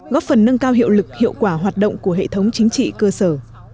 góp phần nâng cao hiệu lực hiệu quả hoạt động của hệ thống chính trị cơ sở